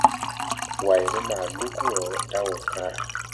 Wayre ma lug wo da woo kããra.